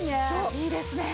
いいですね！